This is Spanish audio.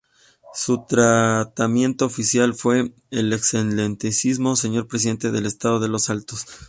Su tratamiento oficial fue "El Excelentísimo Señor Presidente del Estado de Los Altos".